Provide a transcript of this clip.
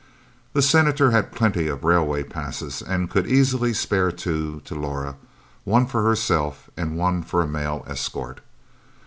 The Senator had plenty of railway passes, and could easily spare two to Laura one for herself and one for a male escort.